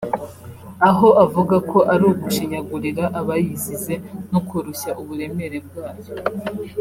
aho avuga ko ari ugushinyagurira abayizize no koroshya uburemere bwayo